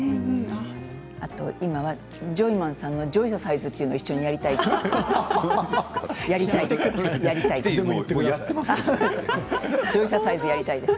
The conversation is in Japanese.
あと今はジョイマンさんのジョイササイズを一緒にやりたいと思っています。